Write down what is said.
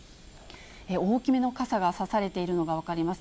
大きめの傘が差されているのが分かります。